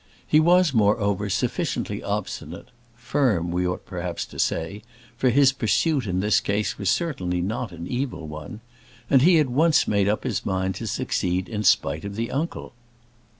He was, moreover, sufficiently obstinate, firm we ought perhaps to say, for his pursuit in this case was certainly not an evil one, and he at once made up his mind to succeed in spite of the uncle.